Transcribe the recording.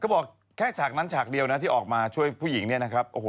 บอกแค่ฉากนั้นฉากเดียวนะที่ออกมาช่วยผู้หญิงเนี่ยนะครับโอ้โห